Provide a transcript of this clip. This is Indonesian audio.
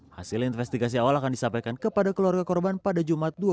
hasil investigasi awal akan disampaikan kepada keluarga korban pada jumat dua puluh